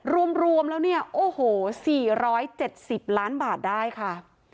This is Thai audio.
รวมแล้ว๔๗๐ล้านบาทได้ค่ะ